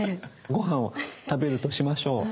ご飯を食べるとしましょう。